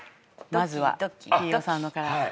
まずは飯尾さんのから。